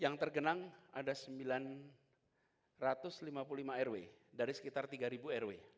yang tergenang ada satu ratus lima puluh lima airway dari sekitar tiga ribu airway